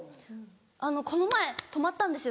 あのこの前泊まったんですよ